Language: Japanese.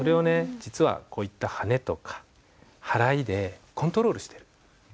実はこういったはねとか払いでコントロールしてる。